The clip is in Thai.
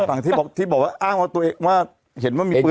แต่ฝั่งที่บอกว่าอ้างมาตัวเองว่าเห็นว่ามีปืนอยู่